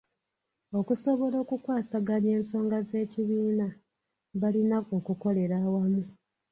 Okusobola okukwasaganya ensonga z'ekibiina, balina okukolera awamu.